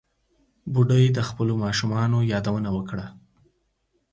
بوډۍ د خپلو ماشومانو یادونه وکړه.